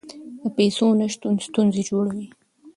د پیسو نشتون ستونزې جوړوي.